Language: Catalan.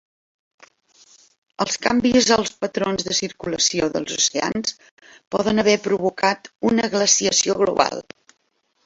Els canvis als patrons de circulació dels oceans poden haver provocat una glaciació global.